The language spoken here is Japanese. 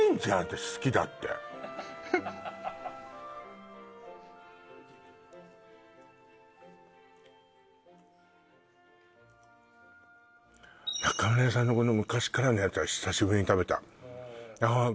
私好きだって中村屋さんのこの昔からのやつは久しぶりに食べたああ